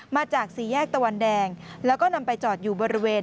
มาจากสี่แยกตะวันแดงแล้วก็นำไปจอดอยู่บริเวณ